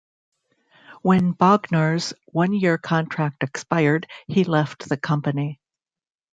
When Bognar's one-year contract expired, he left the company.